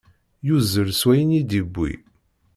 Yuzzel s wayen i d-yewwi.